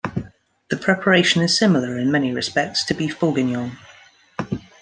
The preparation is similar in many respects to beef bourguignon.